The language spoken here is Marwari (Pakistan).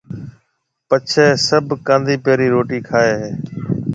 پڇيَ سڀ ڪانڌِيَپي رِي روٽِي کائيَ ھيََََ